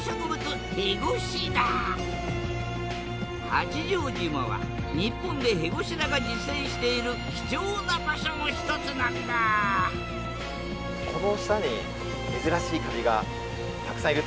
八丈島は日本でヘゴシダが自生している貴重な場所の一つなんだなるほど。